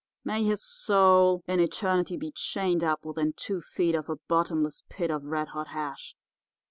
May his soul in eternity be chained up within two feet of a bottomless pit of red hot hash.